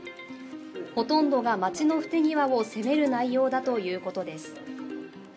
ほとんどが町の不手際を責める内容だということです。